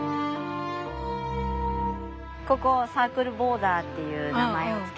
ここはサークルボーダーっていう名前を付けていて。